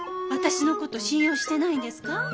私のこと信用してないんですか？